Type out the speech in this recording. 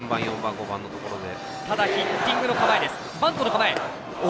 ３番、４番、５番のところで。